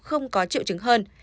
không có triệu chứng hơn